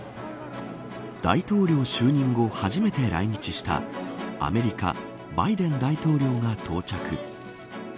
大統領就任後初めて来日したアメリカバイデン大統領が到着。